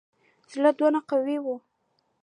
زړه دونه قوي وو.